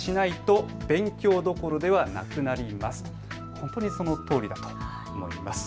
本当にそのとおりだと思います。